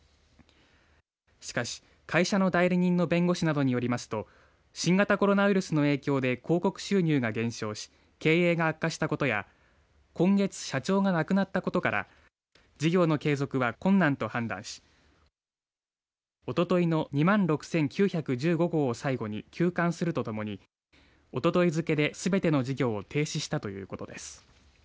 しかし、会社の代理人の弁護士などによりますと新型コロナウイルスの影響で広告収入が減少し経営が悪化したことや今月、社長が亡くなったことから事業の継続は困難と判断しおとといの２万６９１５号を最後に休刊するとともにおととい付けですべての事業を停止したということです。